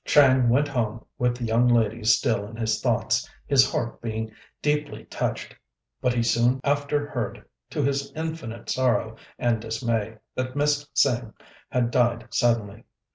Chang went home with the young lady still in his thoughts, his heart being deeply touched; but he soon after heard, to his infinite sorrow and dismay, that Miss Tsêng had died suddenly.